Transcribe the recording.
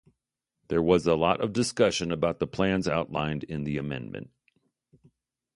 There was a lot of discussion about the plans outlined in the amendment.